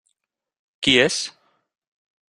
Qui és?